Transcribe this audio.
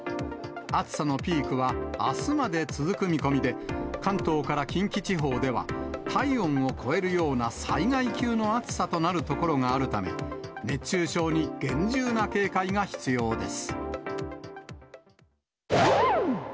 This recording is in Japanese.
暑さのピークはあすまで続く見込みで、関東から近畿地方では、体温を超えるような災害級の暑さとなる所があるため、熱中症に厳重な警戒が必要です。